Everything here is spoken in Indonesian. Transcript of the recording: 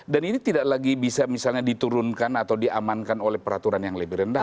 dan ini tidak lagi bisa misalnya diturunkan atau diamankan oleh peraturan yang lebih rendah